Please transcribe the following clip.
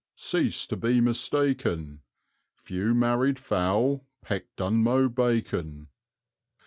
cease to be mistaken; Few married fowl peck Dunmow bacon.